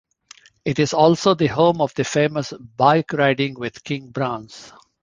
It is also the home of the famous "Bike Riding With King Browns".